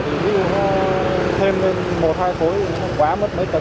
đủ trải thì thêm một hai khối quá mất mấy tấn